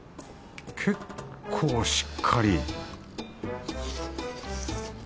結構しっかり